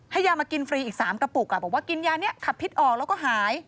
ให้ยามากินฟรีอีก๓กระปุกบอกว่ากินยานี้ขับพิษออกแล้วก็หาย